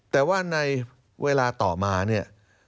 แต่ว่าในเวลาต่อมาเนี่ย